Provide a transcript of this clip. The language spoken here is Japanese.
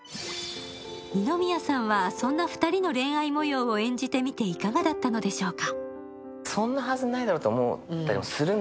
二宮さんはそんな２人の恋愛模様を演じてみていかがだったのでしょうか。